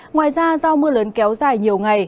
ngoài ra do mưa lớn kéo dài nhiều ngày